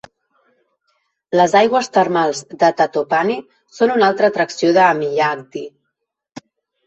Les aigües termals de Tatopani són una altra atracció de Myagdi.